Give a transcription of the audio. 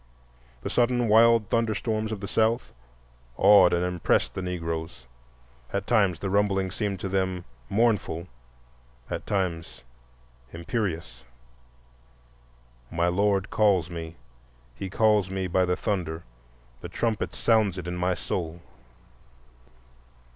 The sudden wild thunderstorms of the South awed and impressed the Negroes,—at times the rumbling seemed to them "mournful," at times imperious: "My Lord calls me, He calls me by the thunder, The trumpet sounds it in my soul."